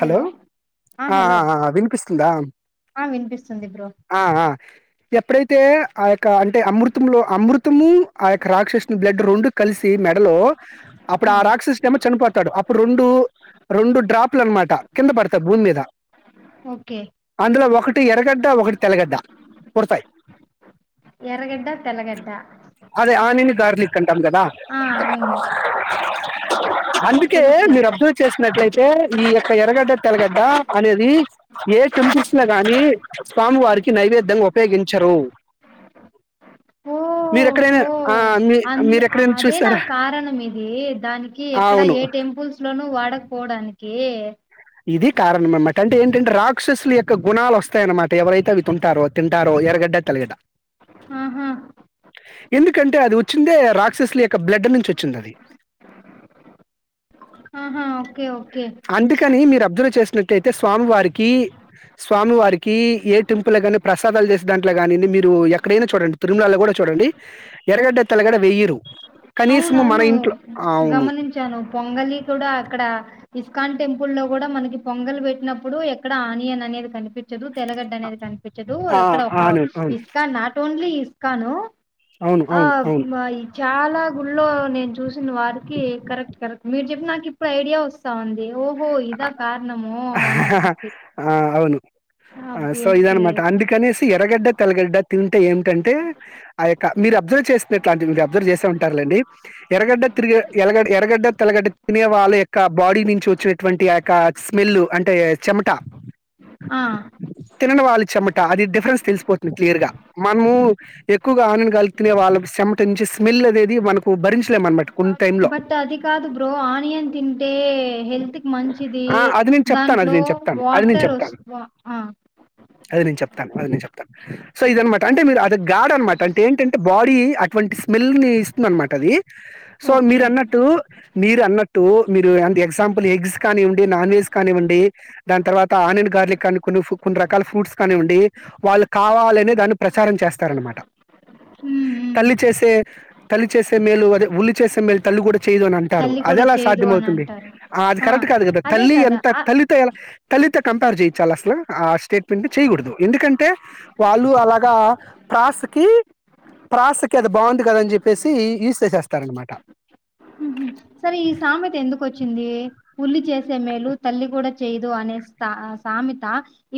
Hello ఆ ఆ వినిపిస్తుందా ఆ వినిపిస్తుంది బ్రో ఆ ఆ ఎప్పుడైతే ఆ యొక్క అంటే అమృతములో అమృతము ఆ యొక్క రాక్షస్ ని బ్లడ్ రెండు కలిసి మెడ లో అప్పుడు ఆ రాక్షస్ డేమో చనిపోతాడు అప్పుడు రెండు రెండు డ్రాప్లు అనమాట కింద పడతాయి భూమి మీద ఓకే అందులో ఒకటి ఒకటి ఎర్రగడ్డ ఒకటి తెల్లగడ్డ పుడతాయి ఎర్రగడ్డ తెల్లగడ్డ అదే ఆనిని గార్లిక్ అను ాం [unintelligible] కాదా ఆ అవును అందుకే తెలుసు మీరు తెలుసు అబ్జర్వ్ చేసినట్లయితే అంటే ఈ యొక్క ఎర్రగడ్డ తెల్లగడ్డ అనేది ఏ టెంపుల్స్ లో గాని స్వామివారికి నైవేద్యంగా ఉపయోగించరు మీరు ఎక్కడైనా ఆ, మీ- అంద్ మీరు ఎక్కడైనా అదే నా చూస్తారా కారణం ఇది దానికి ఆ, ఎక్కడ అవును ఏ టెంపుల్స్ లోనూ వాడకపోవడానికి ఒకే ఇది కారణం అన్నమాట అంటే ఏంటంటే రాక్షసుల యొక్క గుణాలు వస్తాయి అన్నమాట ఎవరైతే అవి తుంటారో తింటారో ఎరగడ్డ తేల్గడ్డ ఆహా ఎందుకంటే అది వచ్చిందే రాక్షసుల యొక్క బ్లడ్ నుంచి వచ్చింది అది ఆహా ఓకే ఓకే అందుకని మీరు అబ్జర్వ్ చేస్త చూసినట్టు అయితే స్వామివారికి స్వామివారికి ఏ టెంపుల్ కానీ ప్రసాదాలు చేసే దాంట్లో కాని మీరు ఎక్కడైనా చూడండి తిరుమలలో కూడా చూడండి ఎర్రగడ్డ తెల్లగడ్డ వెయ్యరు కనీసము మన అవునవును ఇంట్లో అవును గమనించాను పొంగలి కూడా అక్కడ ఇస్కాన్ టెంపుల్ లో కూడా మనకి పొంగల్ పెట్నప్పుడు ఎక్కడ ఆనియన్ అనేది కనిపించ కనిపించదు తెల్లగడ్డ అనేది కనిపించదు ఆ, ఇక్కడ ఒక అవును అవును ఇస్కాన్ నాట్ ఓన్లీ కాను అవును ఆ అవును అవును మా యిద్ చాలా గుళ్ళో నేను చూసిన వాడు ఇప్పుడూ ఐడియా వస్తాంది అనేసి ఆ అవును సో ఇది ఆబ్వియస్లీ అన్నమాట అందుకనేసి ఎర్రగడ్డ తెల్లగడ్డ తింటే ఏమిటంటే ఆ యొక్క మీరు అబ్జర్వ్ చేసినట్లాంటివి మీరు అబ్జర్వ్ చేసే ఉంటారులేండి ఎర్రగడ్డ తిరిగే ఎలగడ్ ఎర్రగడ్డ తెల్లగడ్డ తినే వాళ్ళ యొక్క బాడీ నుంచి వచ్చినటు అటువంటి యక్క స్మెల్ అంటే చెమట ఆ తినని వల్ల చెమట అది డిఫరెన్స్ తెలిసిపోతుంది క్లియర్ గా మనము ఎక్కువగా ఆనియన్ కలిపి తినే వాళ్ళకు చెమట నుంచి స్మెల్ అనేది మనకు భరించలేము అన్నమాట బట్ అది కాదు బ్రో ఆనియన్ తింటే హెల్త్ కి మంచిది ఆ! అది నేను చెప్తాను. అది దాంట్లో నేను చెప్తాను. అది నేను వాటర్ చెప్తాను. వస్తేవా ఆ అది నేను చెప్తాను అది నేను చెప్తాను సో ఇది అనమాట అంటే మీరు అది గాడ్ అనమాట అంటే ఏంటంటే బాడీ అటువంటి స్మెల్ ని ఇస్తుంది అనమాట అది సో ఓకే మీరు అన్నట్టు మీరు అన్నట్టు మీరు అంటే ఎగ్జాంపుల్ ఎగ్స్ కానివ్వండి నాన్వెజ్ కానివ్వడి దానీ తర్వాత ఆనియన్ గార్లిక్ కా కొ కొన్ని రకాల ఫ్రూట్స్ కానివ్వండి వాళ్ళు కావాలనే దాన్ని ప్రచారం చేస్తారనమాట ఉమ్ ఉమ్ తల్లి చేసే తల్లి చేసే మేలు ఉల్లి చేసే మేలు తల్ కూడా చేయదు అని అంటారు తల్లి కూడా అదెలా చేయదు సాధ్యం అని అవుతుంది అంటారు అది ఆ కరెక్ట్ కాదు కదా అదే తల్లి కదా ఎంత ఆ తల్లి తో ఎలా తల్లిత కంపేర్ చేయించాల అసలు ఆ స్టేట్మెంట్ చేయకూడదు ఎందుకంటే వాళ్ళు అలాగా ప్రాస్కి ప్రాస్ క అది బాగుంది కదని చెప్పేసి ఈజ్ చేసేస్తారనమాట సరే ఈ సామెత ఎందుకు వచ్ చ్చింది ఉల్లి చేసే మేలు తల్లి కూడా చేయ్యదు అనే సామెత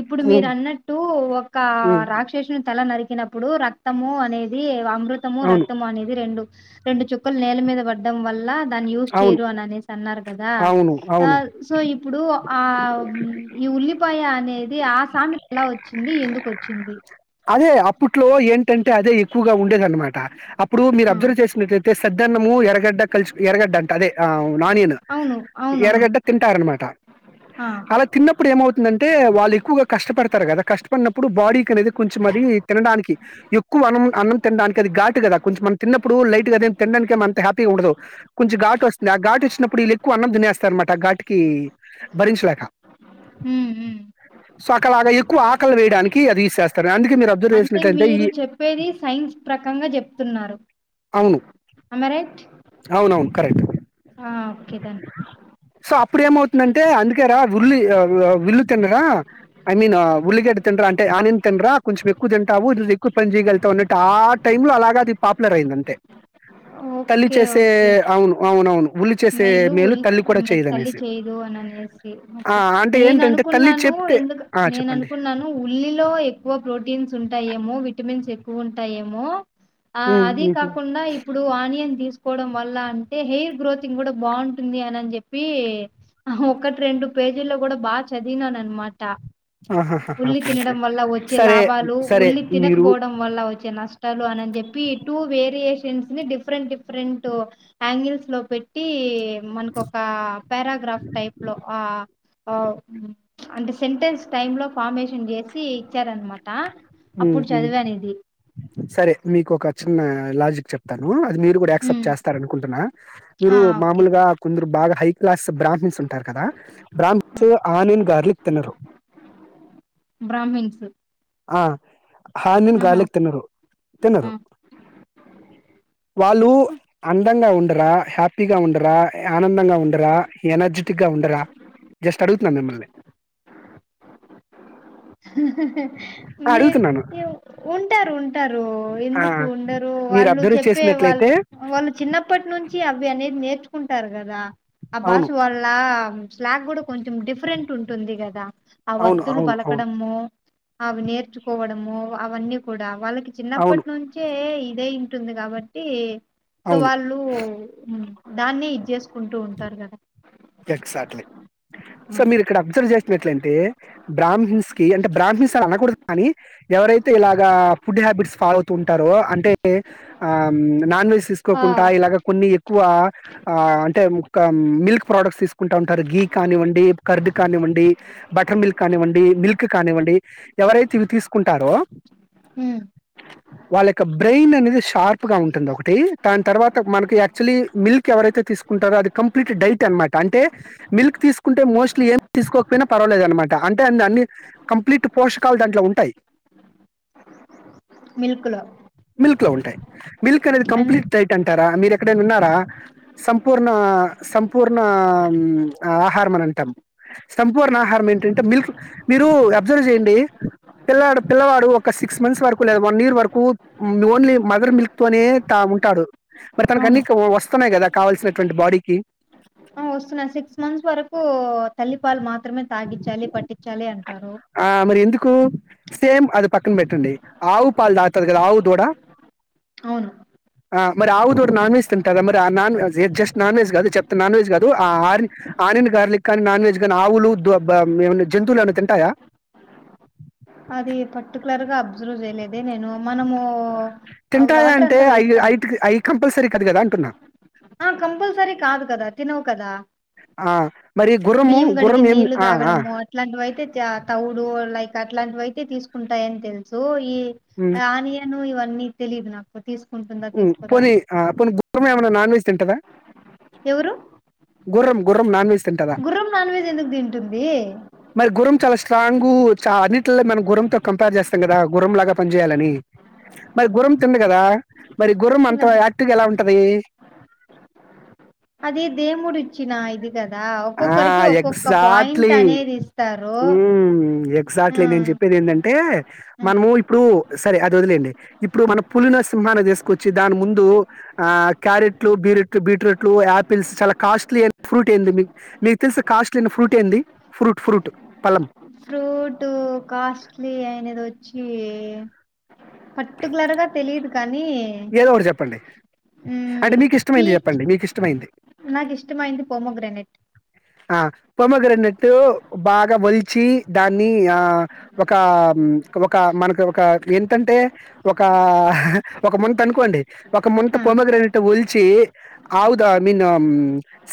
ఇప్పుడు ఉమ్, మీరు అన్నట్టు ఒక ఉమ్, రాక్షసుని తల నరికి కినప్పుడు రక్తము అనేది అమృతము అవును రక్తము అనేది రెండు రెండు చుక్కలు నేల మీద పడ్డం వల్ల దాన్ని యూస్ అవును చేరు అని అనే అన్నారు కదా అవును అవును సో ఇప్పుడు ఆ ఉల్లిపాయ అన్ అనేది ఆ సామెత ఎలా వచ్చింది ఎందుకొచ్చింది అదే అప్పట్లో ఎన్ టంటే అదే ఎక్కువగా ఉండేదనమాట టా అప్ ప్పుడు మీరు ఆ అబ్జర్వ చేసినట్లయితే చద్దన్నము ఎరగడ్డ కలుసు ఎరగడ్డ అంట అదే ఆ నానియను అవును అవునవును ఎరగడ్డ తింటారు అనమాట ఆ అలా తిన్నప్పుడు ఏమవుతు ఏందంటే వాళ్ళు ఎక్కువగా కష్టపడతారు కదా కష్ న్నప్పుడు బాడీకి అనే కొంచం మరి తినడానికి ఎక్కువ అన్నం అన్నం తినడానికి అది ఘాటు కదా కొంచెం మన తిన్నప్పుడు లైట్గాద ఏం తినడానికి అంత హ్యాపీగా ఉండదు కొంచెం ఘాటు వస్తుంది ఆ ఘాటు వచ్చినప్పుడు వీళ్లు ఎక్కువ అన్నం తినేస్తారు అనమాట ఘాటికి భరించలేక ఉమ్ ఉమ్ సోకలగా ఎక్కువ పక్కలు వెయ్యడానికి అది ఇసేస్తారు అంటే మీరు చెప్పేది సైన్స్ ప్రకంగా చెప్తున్నారు ఆమరైట్ అవున అవును కరెక్ట్ ఆ ఓకేదాం సో అప్పుడు ఏమవుతుందంటే అందుకే రా ఉల్లి ఉల్లి తినరా ఐ మీన్ ఉల్లిగడ్డ తినరా అంటే ఆనియన్ తినరా కొంచెం ఎక్కువ తింటావు ఇది ఎక్కువ పని చేయగలుగుతా ఉన్నట్టు ఆ టై లో అలాగా అది పాపులర్ అయింది అంటే తల్లి ఓకే చేసే ఓకే అవును అవును అవును ఉల్లి చేసే మేలు ఉల్ తల్లి కూడా మే తల్లి చేయదనేసి చేయ్యదు అననేసి ఆ, ఓకే అంటే నేను ఏంటంటే తల్లి అనుకున్నాను చెప్తే ఎందుకు ఆ, నేను చెప్పండి అనుకున్నాను ఉల్లిలో ఎక్కువ ప్రోటీన్స్ ఉంటాయేమో విటమిన్స్ ఎక్కువ ఉంటాయేమో ఆ ఉమ్, అదే ఉమ్, ఉమ్. కాకుండా ఇప్పుడు ఆనియన్ తీసుకోవడం వల్ల అంటే హెయిర్ గ్రోతింగ్ కూడా బాగుంటుంది అనిని చెప్పి ఒకటి రెండు పేజీల్లో కూడా బాగా చదివినను అనమాట ఆహాహాహా, ఉల్లి ఓకే ఓకే తినడం వల్ల వచ్చే సరే లాభాలు సరే ఉల్లి మీరు తినకపోవడం వల్ల వచ్చే నష్టం టారు అని చెప్పి ఈ టూ వేరియేషన్స్ ని డిఫరెంట్ డిఫ డిఫరెంట్ యాంగిల్స్ లో పెట్టి మనకు ఒక పారాగ్రాఫ్ టైప్ లో ఆ ఆ ఉమ్ అంటే సెంటెన్స్ టై లో ఫార్మేషన్ చేసి ఇచ్చారనమాట అప్పుడు ఉహుమ్ చదివాను ఇది సరే మీకు ఒక చిన్న లాజిక్ చెప్తాను మీరు కూడా యాక్సెప్ట్ ఉమ్, చేస్తార అనుకుంటున్న మీరు ఆ ఓకే మామూలుగా థాంక్స్ కొందరు బాగా హై క్లాస్ బ్రాహ్మన్స్ ఉంటారు కదా బ్రాహ్మన్స్ ఆనిన్ గార్లిక్ తినరు బ్రాహ్మిన్స్ ఆ ఆనిన్ ఆహా గార్లిక్ ఓకే తినరు ఆ తినరు వాళ్ళు ఆ. అందంగా ఉండరా హ్యాపీగా ఉండరా ఆనందంగా ఉండరా ఎనర్జెటిక్గా ఉండరా జస్ట్ అడుగుతున్నాను మిమ్మల్ని హు హాహా ఆ! మీ అడుగుతున్నాను. ఉంటారు ఉ ఉంటారు ఆ! ఎందుకు ఉండరు మీరు వాళ్ళు అబ్జర్వ్ చెప్పే వాళ్ళ చేసినట్లయితే వాళ్ళు చిన్నప్పటి నుంచి అవి అనేది నేర్చు కుంటారు కదా అవును. అబ్బాస్ వాళ్ళ స్లాంగ్ కూడా కొంచెం డిఫరెంట్ ఉంటుంది కదా ఆ అవును. వత్తులు అవును. అవును. పలకడము అవి నేర్చుకోవడమో అవన్నీ కూడా వాళ్ళకి అవును. చిన్నప్పటి నుంచే ఇదయి ఉంటుంది కాబట్టి సో అవును. వాళ్ళు ఉమ్ దాన్నే ఇజేస్ కుంటూ ఉంటారు కదా ఎక్సాక్ట్లీ సో మీరు ఇక్కడ అబ్జర్వ్ చేసినట్లంటే బ్రాహ్మీన్స్ కి అంటే బ్రాహ్మీన్స్ అనకూడదు కానీ ఎవరై తే ఇలాగా ఫుడ్ హ్యాబిట్స్ ఫాలో అవుతూ ఉంటారో అంటే నాన్ వెజ్ ఆ తీసుకోకుండా ఇలాగ కొన్ని ఎక్కువ ఆ అంటే ఒక మిల్క్ ప్రొడక్ట్స్ తీసుకుంటా ఉంటారు గీ కానివ్వండి కర్డ్ కానివ్వండి బటర్ మిల్క్ కానివ్వండి మిల్క్ కానివ్వండి ఎవరైతే ఇవి తీసుకుంటారో ఉమ్, వాళ్ళ క బి బ్రెయిన్ అనేది షార్ప్ గా ఉంటుంది ఒకటి దాని తర్వాత మనకి అక్చువల్లి మిల్క్ ఎవరైతే తీసుకుంటారో అది కంప్లీట్ డైట్ అనమాట అంటే మిల్క్ తీసుకుంటే మోస్ట్లీ ఏం తీసుకోకపోయినా పర్వాలేదు అనమాట అంటే అ అన్ని కంప్లీట్ పోషకాలు దాంట్లో ఉంటాయి మిల్క్ లో మిల్క్ లో ఉంటాయి మిల్క్ అనేది అన్- కంప్లీట్ డైట్ అంటారా మీరు క్కడైన విన్నారా సంపూర్ణా సం పూర్ణామ్ ఆహారం అని అంటాం సంపూర్ణ ఆహారం ఏంటంటే మిల్క్ మీరు అబ్జర్వ్ చేయండి పిల్లాడు పిల్లవాడు ఒక సిక్స్ మంత్స్ వరకు లేదా వన్ ఇయర్ వరకు త్ ఉమ్ ఓన్లీ మదర్ మిల్క్ తోనే తా ఉంటాడు మరి తనకన్ని అవును క వస్తున్నాయ్ కదా కావాల్సినటువంటి బాడీకి ఆ వస్తున్నాయి సిక్స్ మంత్స్ వరకు తల్లిపాలు మాత్రమే తాగిచ్చాలి పట్టిచ్చాలి అంటారు రి ఎందుకు సేమ్ అది పక్కన్ బెట్టండి ఆవు పాలు తాగ్తది కద ఆవు దూడ అవును, అ మరి ఆవు దూడ నాన్ వెజ్ తింటాదా మరి ఆ నాన్ వెజ్ ఎ జస్ట్ నాన్ వెజ్ కాదు చెప్త నాన్వెజ్ కాదు ఆ ఆర్ని ఆనియన్ గార్లిక్ కాని నాన్ వెజ్ గానీ ఆవులు దొ బ ఉమ్ ఏమన్న జంతువులేమన్న తింటాయా అది పర్టికులర్గా అబ్జర్వ్ చేయలేదు అదే నేను మనమూ అ వాట్రంతా వేస్తాం కదు కదా అంటున్నా ఆ కంపల్సరీ కాదు కదా తినవు కదా ఆ మరి గుర్రము బియ్యం గుర్రం గడిగిన్ ఏం నీళ్ళు ఆ ఆ తాగడము అట్లాంటివైతే త్యార్ తౌడు లైక్ అట్లాంటివై తె తీసుకుంటాయని తెలుసు ఈ ఉమ్ ఆనియను ఇవ అన్ని తెలీదు నాకు తీసుకుంటుందా ఉమ్ తీసుకోదా పోని అని అ పోని గుప్పమేమన నాన్వెజ్ తింటదా ఎవరు గుర్రం గుర్రం నాన్వెజ్. గుర్రం నాన్వెజెందుకు తింటుంది స్ట్రాంగు చ అన్నిట్లో మనం గుర్రంతో కంప్యార్ చేస్తాం కదా గుర్రం లాగా పన్జేయాలని మరి గుర్రం తిందు కదా. మరి గుర్రమంత తినదు ఆక్టిగెలా ఉ దీ అది దేముడిచ్చిన ఇది కదా ఆ ఒక్కొక్కరికి ఒక్కొక్క పాయింట్ ఎగ్జాక్ట్లీ అనేది ఇస్తారు ఉమ్ ఆ ఎగ్జాక్ట్లి నేన్ జెప్పేదేంటంటే ఆ. మనము ఇప్పుడు సరే అది వదిలెయ్ండి ఇప్పుడు మన పులినో సింహాన్నో దీసుకొచ్చి దాని ముందు ఆ క్యారెట్లు బీరుట్లు బీట్రుట్లు యాపిల్స్ చాలా కాస్ట్లీ ఐన ఫ్రూట్ ఏంది మీకు. మీక్ తెల్సి కాస్ట్లీ ఐన ఫ్రూటేంది ఫ్రూట్ ఫ్రూట్ పలం ఫ్రూటు కాస్ట్లీ అయినదొచ్చి పట్టికులర్ గా తెలిదు కా. కానీ ఏదో ఒకటి చెప్పండి. అంటే ఉమ్ మీకిష్టమైంది పీచ్ చెప్పండి. మీకిష్టమైంది. నాకిష్టమైంది పొమోగ్రనేట్. అ. పొమోగ్రనెట్టు బాగా వల్ చి దాన్ని ఆ ఒక మ్ ఒక మనకు ఒక ఎంతంటే ఒక ఒక ముంతనుకోండి. ఒక ముంత ఆ పొమగ్రనెట్ వొల్చి ఆవుద ఐ మీన్ అమ్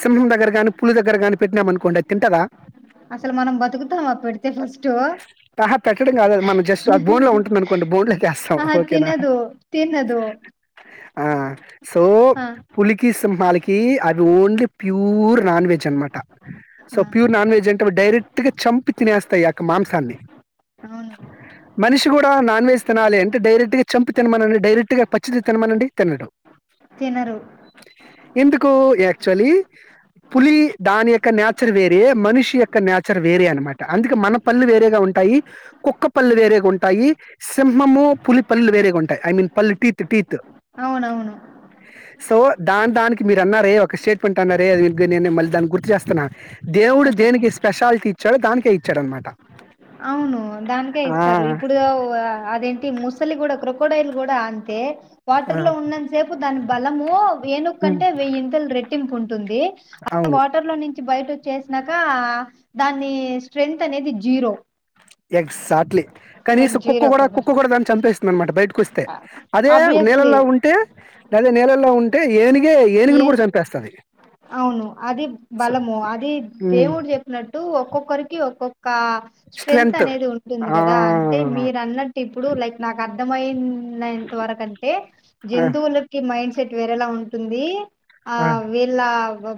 సింహం దగ్గర గాని పులి దగ్గర గాని పెట్నామనుకోండి అద్ తింటద అసలు మనం బతుకుతామ పెడితే ఫస్టు అహా! పెట్టడం కాదు అది మనం జస్ట్ అది బోన్‌లో ఉంటుందనుకోండి బోన్‌లోకేస్తాం. అహ ఓకేనా? తినదు తినదు. ఆ సో ఆ పులికి సింహలక్ కి అదోన్లీ ప్యూర్ నాన్ వెజ్ అనమాట సో ఆ ప్యూర్ నాన్ వెజ్ అ టె డైరెక్ట్ గా చంపి తినేస్తాయి ఆ యొక్క మాంసాన్ని అవును మనిషి కూడా నాన్ వెెజ్ తినాలి అంటే డైరెక్ట్ గా చంపి తినమనండి డైరెక్ట్ గా పచ్చిది తినమనండి తినడు తినరు ఎందుకు యాక్చువలి పులి దాని క నేచర్ వేరే మనిషి యొక్క నేచర్ వేరే అనమాట అందుకే మన పళ్ళు వేరేగా ఉంటాయి కుక్క పళ్ళు వేరేగా ఉంటాయి సింహము పులి పళ్ళు వేరేగా ఉంటాయి ఐ మీన్ పళ్ళు టీత్ టీత్ అవునవును సో దాన్ దానికి మీరు అన్నారే ఒక స్టేట్మెంట్ అన్నారేది నేను మళ్ళీ దాన్ని గుర్తు జేస్ తనా ఆ దేవుడు చెప్పు దేనికి స్పెషాలిటీ చాడో దానికే ఇచ్చాడ అనమాట అవును దానికే ఇస్తారు ఇప్పుడు అదే కి ముసలి కూడా క్రొకోడయిల్ కూడా అంతే వాటర్ లో ఉన్నంత సేపు దాని బలము ఏను కంటే వెయ్యిన్తల్ రెట్ తిను పున్ టుంది అది అవును వాటర్ లోని బయట వచ్చేసినాక దాన్ని స్ట్రెంగ్త్ అనేది జీరో ఎగ్జాట్లీ కనీస లైక్ కుక్క జీరో కూడా కదా కుక్క కూడా దాన్ని చంపేస్తుంది అనమాట బయటకు ఒస్తే అదే ఆబ్వియస్లీ నేలల్లో ఉంటే లేదే నేల లలో ఉంటే ఏని ఏం అవును అది సో బలము అది హ్మ్. దేవుడు జెప్పినట్టు ఒక్కొక్ కోరికి ఒ కోక్ కా స్ట్రెంగ్త్ స్ట్రెంత్. అనేది ఉంటుంది ఆ! కదా అంటే మీరు అన్నట్టు ఇప్పుడు లైక్ నాకు అర్థం మైన్ నైన్త్ వరకంటే ఆ! జంతువులకి మండ్ సెట్ వేర లా ఉ టుంది ఆ వీళ్ళ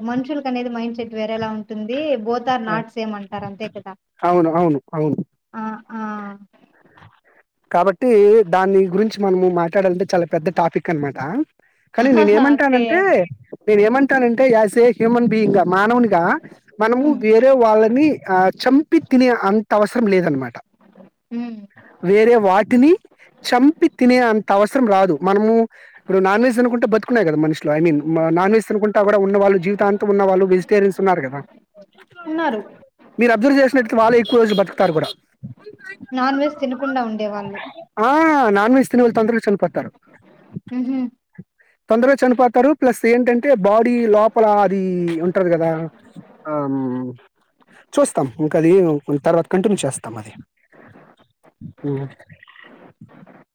మనుషులకనేది మైండ్ సెట్ వేరేలా ఉంటుంది బోతార్ ఆ! నాట్ సేమ్ అంటారు అంతే కదా అవును. అవును. అవును. ఆ ఆ కాబట్టి దాన్ని గురించి మనము మ ట్టడంటే చాలా పెద్ద టాపిక్ అనమాట కానీ నేను ఓకే ఏమంటానంటే నేనుమంటానంటే యాసే హ్యూమన్ బీయింగ మానవునిగా మనము ఉమ్ వేరే వాళ్ళని ఆ చంపి తినే అంత అవసరం లేదనమాట ఊ వేరే వాటిని చంపి తినే అంత అవసరం రాదు మనము ఇప్పుడు నాన్ వెెజ్ అనుకుంటే బతుకున్నాయి కదా మనిషులో ఐ మీన్ నాన్ వెెజ్ అనుకుంట కూడా ఉన్న వాళ్ళు జీవితాంతం ఉన్న వాళ్ళు వెజటేరియన్స్ ఉన్నారు కదా ఉన్నారు మీరు అబ్జర్వ చేసినట్టు వాళ్ళ ఎక్కువ రజు బట్తారు కూడా నా నాన్వేస్ తినకుండా ఉండేవాళ్ళు థిన్వాల్ ఆండ్రి చానిపోతరు ఉహు తొందరగా చనిపోతారు ప్లస్ ఏంటంటే బాడీ లోపల అది ఉంటది కదా ఆ చూస్తాం ఇంకది తర్వాత కంటిన్యూ చేస్తాం అది ఉ